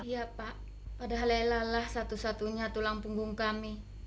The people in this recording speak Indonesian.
iya pak padahal lelah lah satu satunya tulang punggung kami